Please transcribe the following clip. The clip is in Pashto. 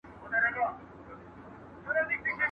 تاسو د مثبت ذهنیت سره په ژوند کي ډیر بریالي یاست.